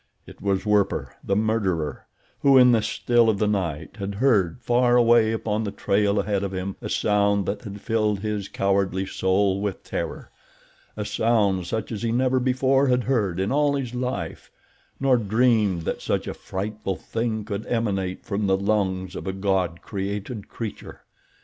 It was Werper, the murderer, who in the still of the night had heard far away upon the trail ahead of him a sound that had filled his cowardly soul with terror—a sound such as he never before had heard in all his life, nor dreamed that such a frightful thing could emanate from the lungs of a God created creature.